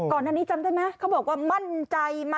ก่อนอันนี้จำได้ไหม